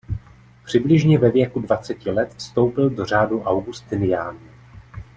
Přibližně ve věku dvaceti let vstoupil do řádu augustiniánů.